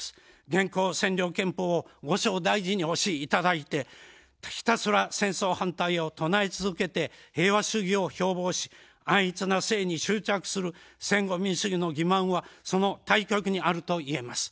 現行占領憲法を後生大事に押しいただいて、ひたすら戦争反対を唱え続けて平和主義を標ぼうし安逸な生に執着する戦後民主主義の欺まんはその対極にあるといえます。